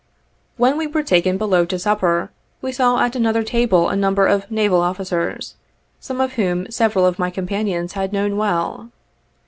When we were taken below to supper, we saw at another table a number of naval officers, some of whom several of my companions had known well.